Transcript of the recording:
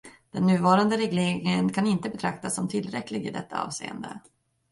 Den nuvarande regleringen kan inte betraktas som tillräcklig i detta avseende.